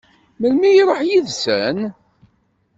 Melmi i iṛuḥ yid-sen?